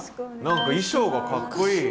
何か衣装がかっこいい。